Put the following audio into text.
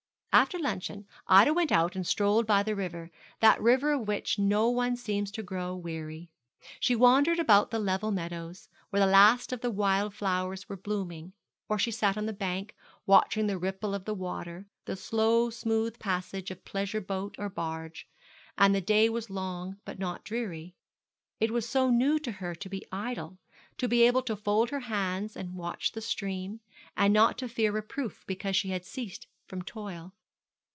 After luncheon Ida went out and strolled by the river, that river of which no one ever seems to grow weary. She wandered about the level meadows, where the last of the wild flowers were blooming, or she sat on the bank, watching the ripple of the water, the slow smooth passage of pleasure boat or barge, and the day was long but not dreary. It was so new to her to be idle, to be able to fold her hands and watch the stream, and not to fear reproof because she had ceased from toil.